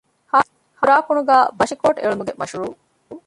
ހއ.ތުރާކުނުގައި ބަށިކޯޓް އެޅުމުގެ މަޝްރޫޢު